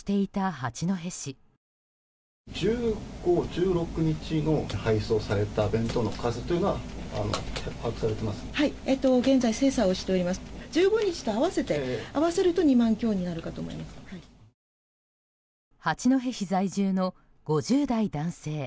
八戸市在住の５０代男性。